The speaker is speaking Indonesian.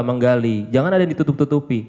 menggali jangan ada yang ditutup tutupi